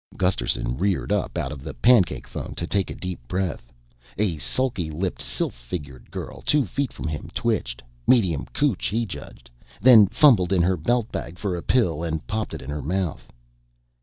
Gusterson reared up out of the pancake phone to take a deep breath. A sulky lipped sylph figured girl two feet from him twitched medium cootch, he judged then fumbled in her belt bag for a pill and popped it in her mouth.